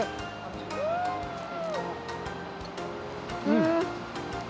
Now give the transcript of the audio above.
うん。